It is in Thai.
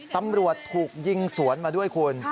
ตำรวจถูกยิงสวนมาด้วยคุณ